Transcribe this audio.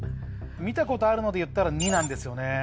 見たことあるのでいったら２なんですよね